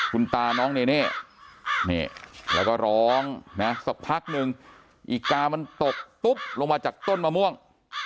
คุณตาน้องเนเน่แล้วก็ร้องนะสักพักนึงอีกกามันตกตุ๊บลงมาจากต้นมะม่วง